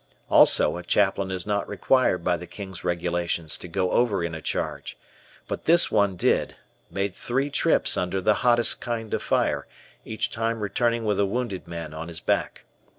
Also a chaplain is not required by the King's Regulations to go over in a charge, but this one did, made three trips under the hottest kind of fire, each time returning with a wounded man on his back.